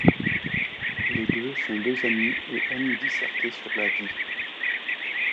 Les deux sont deux amis et aiment disserter sur la vie.